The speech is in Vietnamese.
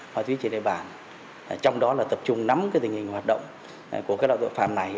ma túy trên địa bàn trong đó là tập trung nắm tình hình hoạt động của các loại tội phạm này